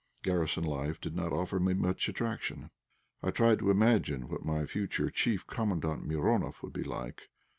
Garrison life did not offer me much attraction. I tried to imagine what my future chief, Commandant Mironoff, would be like.